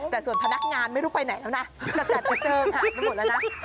แต่ส่วนพนักงานไม่รู้ไปไหนแล้วนะจัดกระเจิงหายไปหมดแล้วนะ